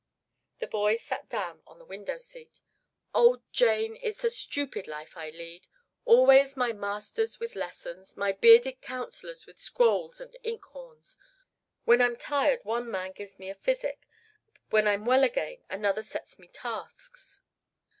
The boy sat down on the window seat. "Oh, Jane, it's a stupid life I lead. Always my masters with lessons, my bearded counselors with scrolls and ink horns. When I'm tired one man gives me physic, when I'm well again another sets me tasks.